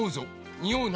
におうな。